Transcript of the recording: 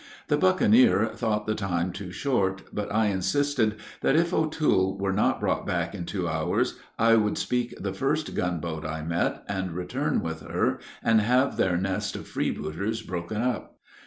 The bucaneer thought the time too short, but I insisted that if O'Toole were not brought back in two hours, I would speak the first gunboat I met, and return with her and have their nest of freebooters broken up.